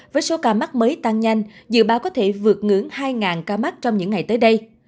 với số ca mắc mới tăng nhanh dự báo có thể vượt ngưỡng hai ca mắc trong những ngày tới đây